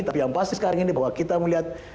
tapi yang pasti sekarang ini bahwa kita melihat